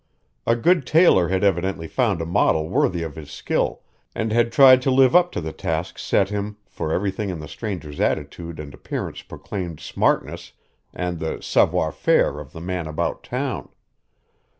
A good tailor had evidently found a model worthy of his skill and had tried to live up to the task set him, for everything in the stranger's attitude and appearance proclaimed smartness and the savoir faire of the man about town.